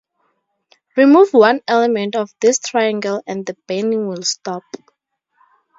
Remove one element of this triangle and the burning will stop.